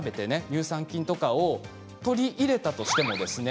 乳酸菌とかを取り入れたとしてもですね